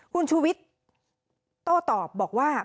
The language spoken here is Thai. คุณชวิตโต้ตอบบอกว่า